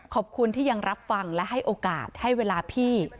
ขอบคุณที่ยังรับฟังและให้โอกาสให้เวลาพี่